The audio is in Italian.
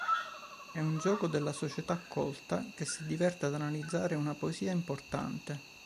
È un gioco della società colta che si diverte ad analizzare una poesia importante.